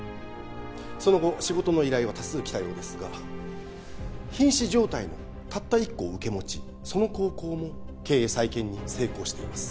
その後仕事の依頼は多数来たようですが瀕死状態のたった一校を受け持ちその高校も経営再建に成功しています